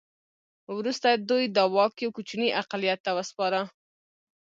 وروسته دوی دا واک یو کوچني اقلیت ته وسپاره.